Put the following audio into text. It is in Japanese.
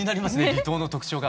離島の特徴が。